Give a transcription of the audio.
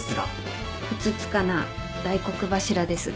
ふつつかな大黒柱ですが